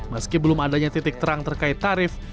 meski belum adanya titik terang terkait tarif